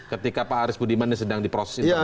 ketika pak haris budiman sedang diproses internal